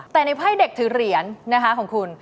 แต่ในไพ่เด็กถือเหรียญนะคะของคุณ